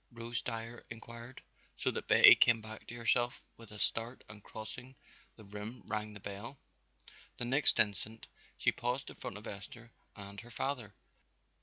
Rose Dyer inquired, so that Betty came back to herself with a start and crossing the room rang the bell. The next instant she paused in front of Esther and her father.